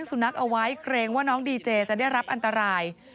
สุนัขเอาไว้เกรงว่าน้องดีเจจะได้รับอันตราย